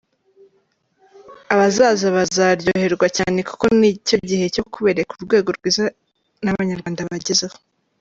Abazaza bazaryoherwa cyane kuko ni cyo gihe cyo kubereka urwego rwiza n’Abanyarwanda bagezeho.